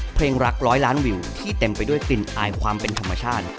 เพลงรักร้อยล้านวิวที่เต็มไปด้วยกลิ่นอายความเป็นธรรมชาติ